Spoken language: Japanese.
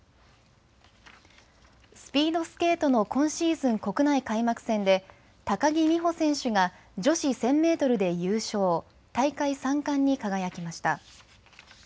スピードスケートの今シーズン国内開幕戦で高木美帆選手が女子１０００メートルで優勝、大会３冠に輝きました。